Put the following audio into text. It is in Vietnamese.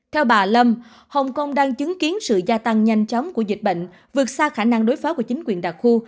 theo bà lâm hồng kông đang chứng kiến sự gia tăng nhanh chóng của dịch bệnh vượt xa khả năng đối phó của chính quyền đặc khu